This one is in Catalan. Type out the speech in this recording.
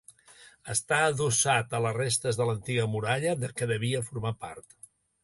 Està adossat a les restes de l'antiga muralla, de què devia formar part.